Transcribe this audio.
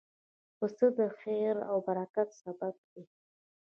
پسه د خیر او برکت سبب دی.